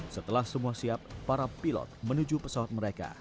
setelah semua siap para pilot menuju pesawat mereka